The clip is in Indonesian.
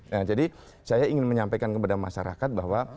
nah jadi saya ingin menyampaikan kepada masyarakat bahwa